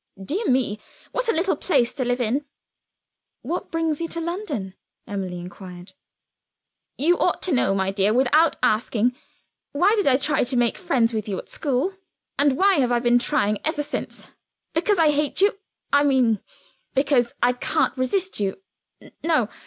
"Dear me, what a little place to live in!" "What brings you to London?" Emily inquired. "You ought to know, my dear, without asking. Why did I try to make friends with you at school? And why have I been trying ever since? Because I hate you I mean because I can't resist you no!